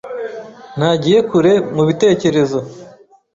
ntagiye kure mu bitekerezo.